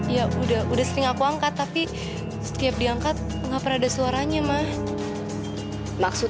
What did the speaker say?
ya udah udah sering aku angkat tapi setiap diangkat nggak pernah ada suaranya mah